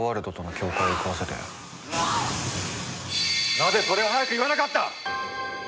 なぜそれを早く言わなかった！